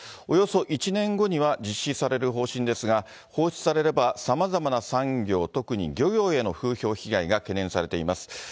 およそ１年後には実施される方針ですが、放出されれば、さまざまな産業、特に漁業への風評被害が懸念されています。